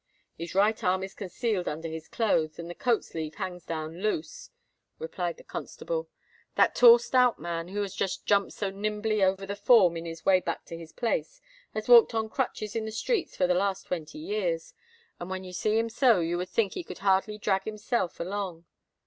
"His right arm is concealed under his clothes, and the coat sleeve hangs down loose," replied the constable. "That tall stout man who has just jumped so nimbly over the form in his way back to his place, has walked on crutches in the streets for the last twenty years; and when you see him so, you would think he could hardly drag himself along.